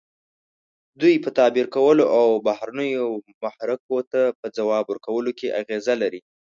دوی په تعبیر کولو او بهرنیو محرکو ته په ځواب ورکولو کې اغیزه لري.